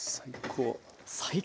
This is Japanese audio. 最高！